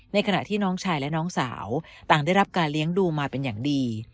ขณะที่น้องชายและน้องสาวต่างได้รับการเลี้ยงดูมาเป็นอย่างดี